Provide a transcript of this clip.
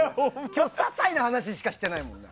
今日、些細な話しかしてないもん。